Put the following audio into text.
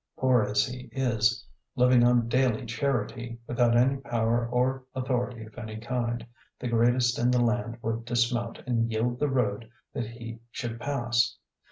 Poor as he is, living on daily charity, without any power or authority of any kind, the greatest in the land would dismount and yield the road that he should pass.